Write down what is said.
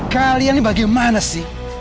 kalian ini bagaimana sih